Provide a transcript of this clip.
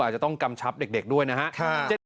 อาจจะต้องกำชับเด็กด้วยนะครับ